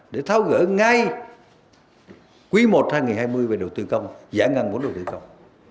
để thao gỡ ngay quy mô hai nghìn hai mươi về đầu tư công giải ngân của đầu tư công